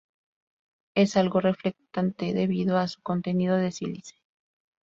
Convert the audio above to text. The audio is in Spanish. Es algo reflectante debido a su contenido de sílice.